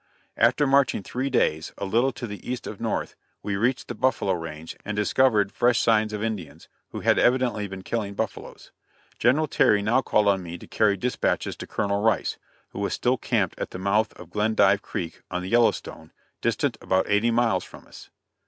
After marching three days, a little to the east of north, we reached the buffalo range, and discovered fresh signs of Indians, who had evidently been killing buffaloes. General Terry now called on me to carry dispatches to Colonel Rice, who was still camped at the mouth of Glendive Creek, on the Yellowstone distant about eighty miles from us.